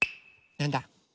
なんだ？